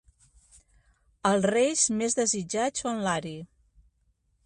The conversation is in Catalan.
Els reis més desitjats o en Lari.